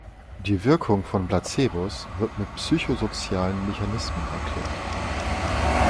Die Wirkung von Placebos wird mit psychosozialen Mechanismen erklärt.